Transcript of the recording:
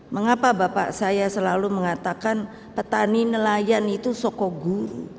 mengapa bapak saya selalu mengatakan petani nelayan itu sokogu